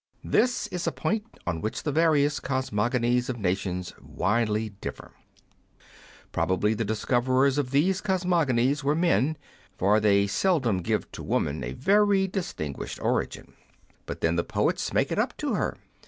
This is a point on which the various cosmogonies of nations widely differ. Probably the discoverers' of these cosmogonies were men, for they seldom give to woman a very distinguished origin. But then the poets make it up to her.